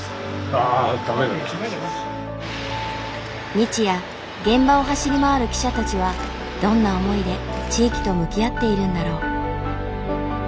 日夜現場を走り回る記者たちはどんな思いで地域と向き合っているんだろう。